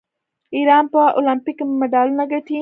ایران په المپیک کې مډالونه ګټي.